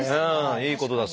いいことだ